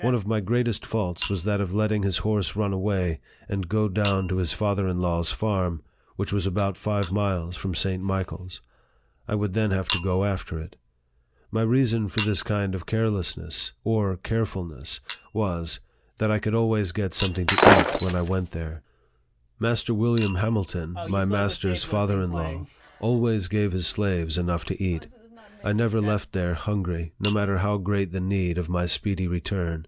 One of my greatest faults was that of letting his horse run away, and go down to his father in law's farm, which was about five miles from St. Michael's. I would then have to go after it. My reason for this kind of care lessness, or carefulness, was, that I could always get something to eat when I went there. Master William Hamilton, my master's father in law, always gave his slaves enough to eat. I never left there hungry, no matter how great the need of my speedy return.